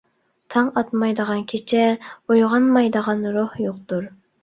تاڭ ئاتمايدىغان كېچە، ئويغانمايدىغان روھ يوقتۇر.